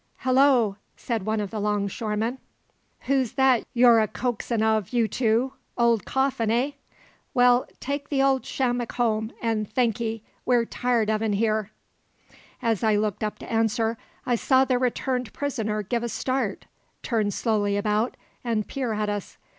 "Hallo!" said one of the 'longshoremen. "Who's that you're a coaxin' of, you two? Old Coffin, eh? Well, take the old shammick home, an' thank 'ee. We're tired of 'en here." As I looked up to answer I saw the returned prisoner give a start, turn slowly about, and peer at us.